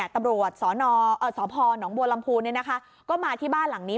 ตำรวจสพหนองบัวลำพูก็มาที่บ้านหลังนี้